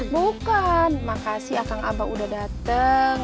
bukan makasih akang abah udah dateng